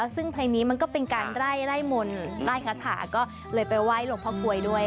ซึ่งเพลงนี้มันก็เป็นการไล่มนต์ไล่คาถาก็เลยไปไหว้หลวงพ่อกลวยด้วย